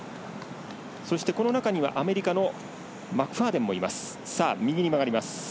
そして、この中にはアメリカのマクファーデンもいます。